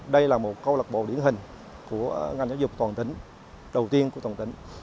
đây là một câu lạc bộ điển hình của ngành giáo dục toàn tính đầu tiên của toàn tính